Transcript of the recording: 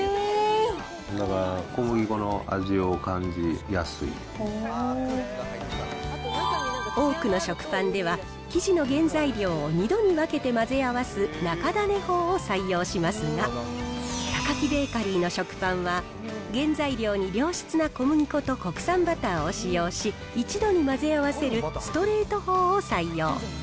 だから小麦粉の味を感じやす多くの食パンでは、生地の原材料を２度に分けて混ぜ合わす中種法を採用しますが、タカキベーカリーの食パンは、原材料に良質な小麦粉と国産バターを使用し、一度に混ぜ合わるストレート法を採用。